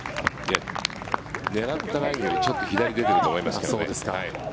狙ったラインよりちょっと左に出ていると思いますね。